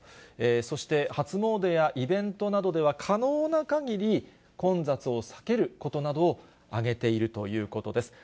そして初詣やイベントなどでは可能なかぎり混雑を避けることなどを挙げているということです。